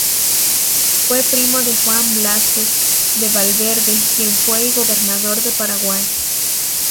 Fue primo de Juan Blázquez de Valverde, quien fue y Gobernador de Paraguay.